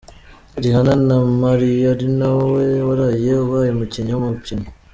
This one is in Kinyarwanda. Rihanna na Mario ari nawe waraye ubaye umukinnyi w’umukino.